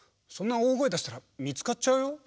そんなおおごえだしたらみつかっちゃうよ。